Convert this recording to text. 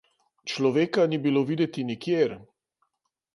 Človeka ni bilo videti nikjer!